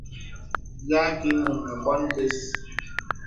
Bìa àkə īnuŋ nə bòn bə̀s.